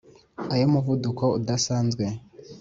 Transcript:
ay’umuvuduko udasazwe